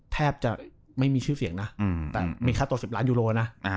แทบจะไม่มีชื่อเสียงนะแต่มีค่าตัว๑๐ล้านยูโรนะ